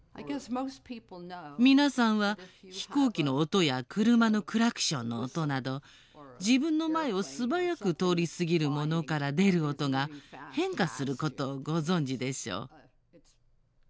皆さんは飛行機の音や車のクラクションの音など自分の前を素早く通り過ぎるものから出る音が変化することをご存じでしょう。